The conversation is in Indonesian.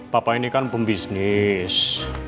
papa ini kan pembisnis